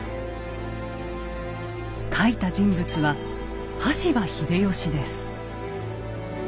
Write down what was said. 書いた人物は羽柴秀吉です。